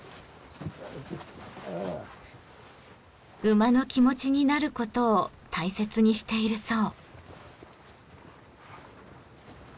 馬の気持ちになることを大切にしているそう。